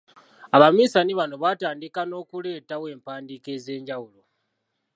Abaminsani bano baatandika n’okuleetawo empandiika ez’enjawulo.